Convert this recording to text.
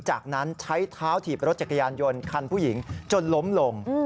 จากนั้นใช้เท้าถีบรถจักรยานยนต์คันผู้หญิงจนล้มลง